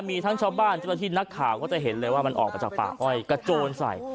มีทั้งชาวบ้านเจ้าหน้าที่นักข่าวก็จะเห็นเลยว่ามันออกมาจากป่าอ้อยกระโจนใส่